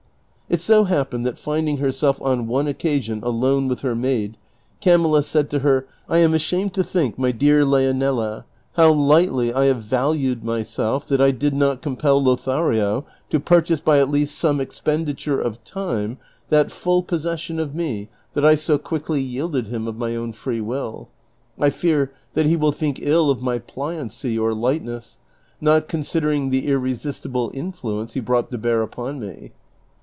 It so happened that finding herself on one occasion alone with her maid, Camilla said to her, " I am ashamed to think, my dear Leonela, how lightly I have valued myself that I did not compel Lothario to purchase by at least some expenditure of time that full possession of CHAPTER XXX TV. 291 me that I so quickly yielded him of my own fi'ee will. I fciir that he will tliink ill of my pliancy or lightness, not considerino; tlie irre sistible inHuence he brought to bear upon me."